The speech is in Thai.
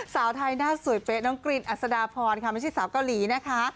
สาวไทยหน้าสวยเป๊ะน้องกรีนอัศดาพรค่ะไม่ใช่สาวเกาหลีนะคะ